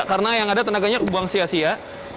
karena yang ada tenaganya buang sia sia